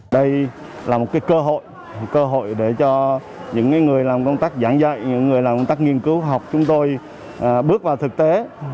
đây là một cơ hội cơ hội để cho những người làm công tác giảng dạy những người làm công tác nghiên cứu học chúng tôi bước vào thực tế